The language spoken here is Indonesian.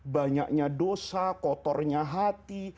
banyaknya dosa kotornya hati